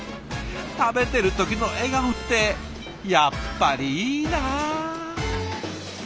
食べてる時の笑顔ってやっぱりいいな。